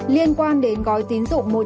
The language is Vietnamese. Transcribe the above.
liên quan đến công chức